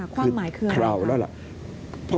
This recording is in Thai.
ความหมายคืออะไร